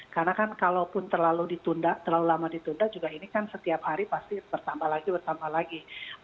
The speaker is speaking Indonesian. karena kan kalau pun terlalu ditunda terlalu lama ditunda juga ini kan setiap hari pasti bertambah lagi bertambah lagi